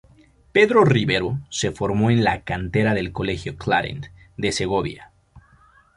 Pedro Rivero se formó en la cantera del Colegio Claret de Segovia.